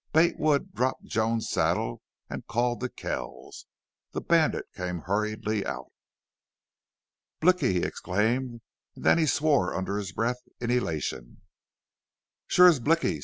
Bate Wood dropped Joan's saddle and called to Kells. The bandit came hurriedly out. "Blicky!" he exclaimed, and then he swore under his breath in elation. "Shore is Blicky!"